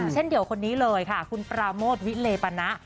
เช่นเดียวคนนี้เลยค่ะคุณปราโมทวิเลปณะ